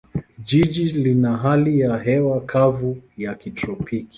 Jiji lina hali ya hewa kavu ya kitropiki.